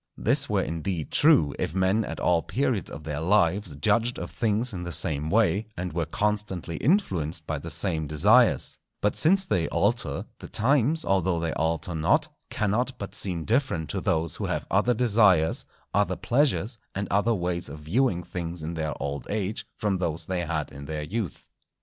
This were indeed true, if men at all periods of their lives judged of things in the same way, and were constantly influenced by the same desires; but since they alter, the times, although they alter not, cannot but seem different to those who have other desires, other pleasures, and other ways of viewing things in their old age from those they had in their youth.